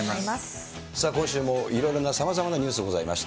今週もいろいろさまざまなニュースがございました。